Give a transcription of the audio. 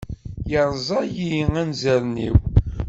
Yerẓa-iyi anzaren-iw!